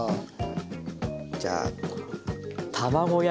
じゃあ。